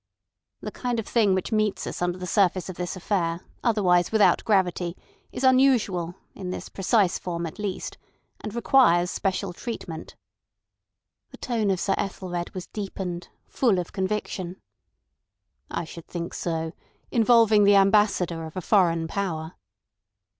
"The kind of thing which meets us under the surface of this affair, otherwise without gravity, is unusual—in this precise form at least—and requires special treatment." The tone of Sir Ethelred was deepened, full of conviction. "I should think so—involving the Ambassador of a foreign power!"